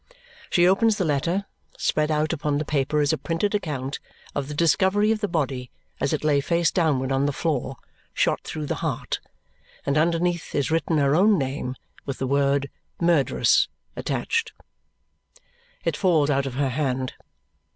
She opens the letter. Spread out upon the paper is a printed account of the discovery of the body as it lay face downward on the floor, shot through the heart; and underneath is written her own name, with the word "murderess" attached. It falls out of her hand.